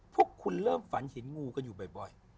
พวกคุณเริ่มฝันเห็นงูกันอยู่บ่อย